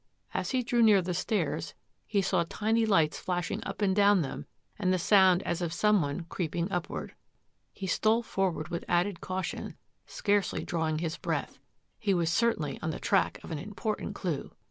As he drew near the stairs he saw tiny lights flashing up and down them and the sound as of someone creeping upward. He stole forward with added caution, scarcely drawing his breath. He was certainly on the track of an important clue.